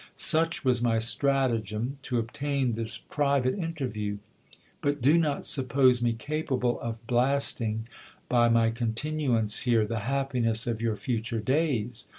Such was my stratagem to obtain this private inter view. But do not suppose me capable of blasting, by my continuance here, the happiness of your future days.